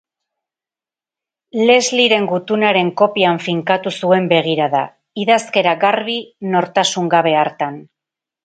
Leslieren gutunaren kopian finkatu zuen begirada, idazkera garbi, nortasun gabe hartan.